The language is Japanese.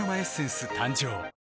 誕生